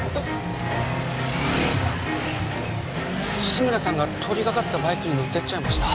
志村さんが通りがかったバイクに乗ってっちゃいました